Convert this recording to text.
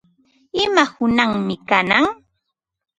¿Ima hunaqmi kanan?